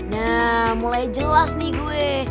nah mulai jelas nih gue